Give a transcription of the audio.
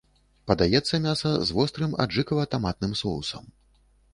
Падаецца мяса з вострым аджыкава-таматным соусам.